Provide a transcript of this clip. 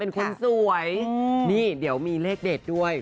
คนสวยนี่เดี๋ยวมีเลขเด็ดด้วย